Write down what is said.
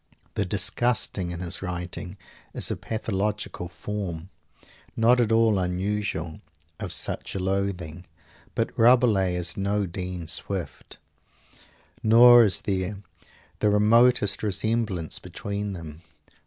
The "disgusting" in his writing is a pathological form, not at all unusual, of such a loathing. But Rabelais is no Dean Swift nor is there the remotest resemblance between them.